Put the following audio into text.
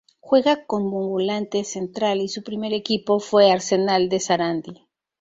Juega como volante central y su primer equipo fue Arsenal de Sarandí.